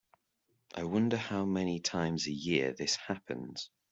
I wonder how many times a year this happens.